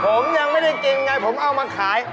ผมยังไม่ได้กินไงผมเอามาขาย